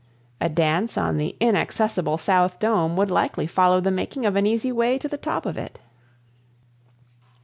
A dance on the inaccessible South Dome would likely follow the making of an easy way to the top of it.